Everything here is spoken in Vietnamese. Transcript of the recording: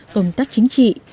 công tác chính trị